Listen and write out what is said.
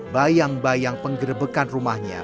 bayang bayang penggerebekan rumahnya